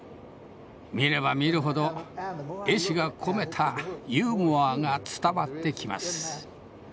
見れば見るほど絵師が込めたユーモアが伝わってきます。